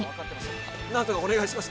なんとかお願いします。